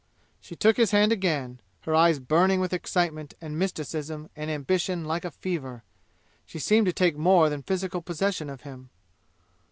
She took his hand again, her eyes burning with excitement and mysticism and ambition like a fever. She seemed to take more than physical possession of him.